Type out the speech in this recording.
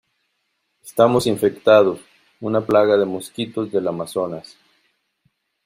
estamos infectados. una plaga de mosquitos del Amazonas .